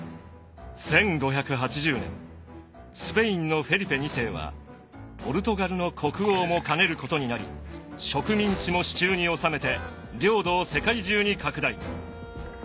スペインのフェリペ二世はポルトガルの国王も兼ねることになり植民地も手中に収めて領土を世界中に拡大。